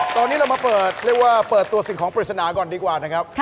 ตอนนี้เรามาเปิดเรียกว่าเปิดตัวสิ่งของปริศนาก่อนดีกว่านะครับ